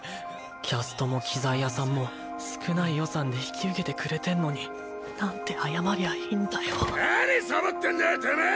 キャストも機材屋さんも少ない予算で引き受けてくれてんのに何サボってんだよてめぇ！